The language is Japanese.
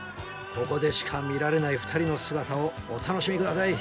ここでしか見られない２人の姿をお楽しみください！